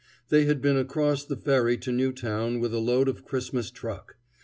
They had been across the ferry to Newtown with a load of Christmas truck.